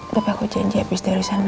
tapi aku janji abis dari sana